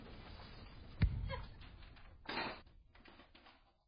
Kama bantu bote bananza ku rima njala ita isha mu mukini